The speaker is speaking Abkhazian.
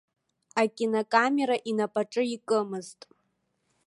Акинокамера инапаҿы икымызт.